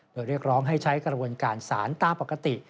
โดยเรียกร้องให้ใช้กระบวนการสารตามปกติ